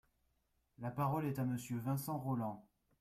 La parole est à Monsieur Vincent Rolland.